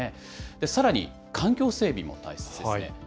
さらに環境整備も大切ですね。